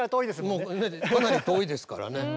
もうかなり遠いですからね。